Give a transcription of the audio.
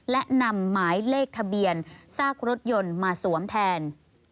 และนำหมายเลขทะเบียนซากรถยนต์มาสวมแทน